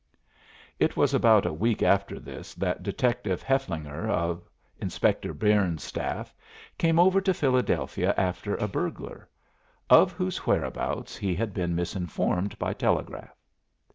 It was about a week after this that Detective Hefflefinger, of Inspector Byrnes's staff, came over to Philadelphia after a burglar, of whose whereabouts he had been misinformed by telegraph.